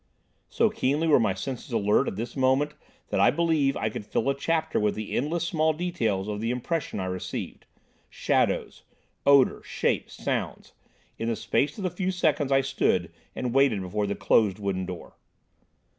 So keenly were my senses alert at this moment that I believe I could fill a chapter with the endless small details of the impression I received—shadows, odour, shapes, sounds—in the space of the few seconds I stood and waited before the closed wooden door.